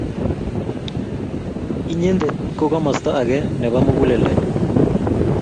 inyete ko komosto age nebo muguleldonyu